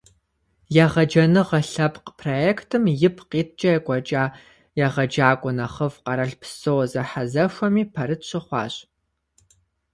«Егъэджэныгъэ» лъэпкъ проектым ипкъ иткӀэ екӀуэкӀа «егъэджакӀуэ нэхъыфӀ» къэралпсо зэхьэзэхуэми пэрыт щыхъуащ.